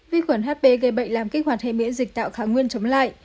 vi khuẩn hp gây bệnh làm kích hoạt hệ miễn dịch tạo kháng nguyên chấm lại